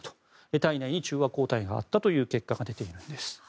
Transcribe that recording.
体内に中和抗体があったという結果が出ています。